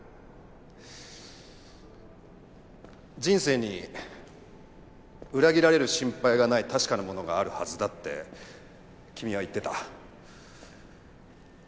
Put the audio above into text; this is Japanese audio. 人生に裏切られる心配がない確かなものがあるはずだって君は言ってた。